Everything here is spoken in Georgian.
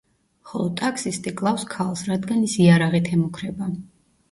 ხოლო ტაქსისტი კლავს ქალს, რადგან ის იარაღით ემუქრება.